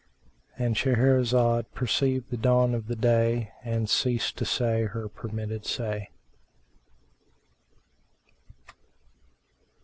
—And Shahrazad perceived the dawn of day and ceased to say her permitted say.